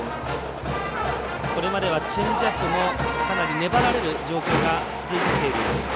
これまではチェンジアップもかなり粘られる状況が続いてきている。